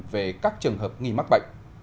về các trường hợp nghi mắc bệnh